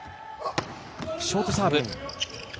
ショートサーブ。